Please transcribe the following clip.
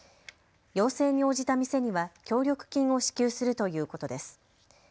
要請に応じた店には協力金を支給するということです。